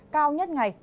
cao nhất ngày